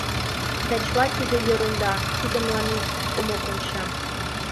Да чыла тиде ерунда, тиде мыланем омо конча...»